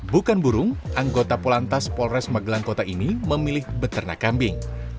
bukan burung anggota polantas polres magelang kota ini memilih beternak kambing